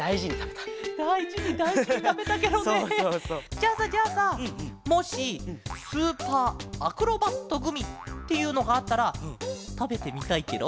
じゃあさじゃあさもしスーパーアクロバットグミっていうのがあったらたべてみたいケロ？